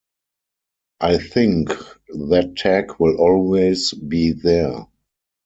I think that tag will always be there.